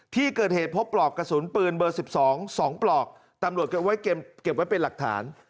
ที่เกิดเหตุพบปลอกกระสุนปืนเบอร์๑๒๒ปลอกตำรวจเก็บไว้เป็นหลักฐาน